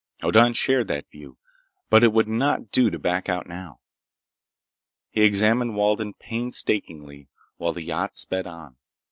Hoddan shared that view. But it would not do to back out now. He examined Walden painstakingly while the yacht sped on.